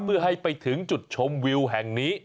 เพื่อให้ไปถึงจุดชมวิวแห่งนี้